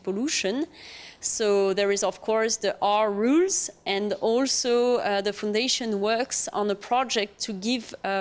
jadi tentu saja ada peraturan r dan juga fundation bekerja dalam proyek untuk memberikan